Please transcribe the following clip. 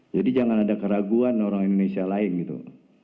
jadi jangan ada keraguan orang indonesia lain gitu